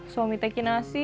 suami teki nasi